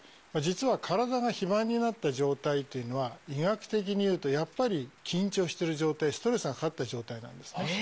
実は体が肥満になった状態というのは医学的にいうとやっぱり緊張してる状態ストレスがかかった状態なんですね。